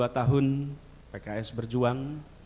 dua puluh dua tahun pks berjuang